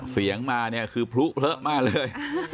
เสียงมาเนี่ยคือพลุเลอะมากเลย